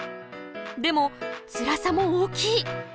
でもつらさも大きい！